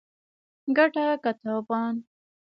ګټه که تاوان